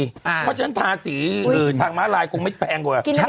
เพราะฉะนั้นทาสีทางม้าลายคงไม่แพงกว่า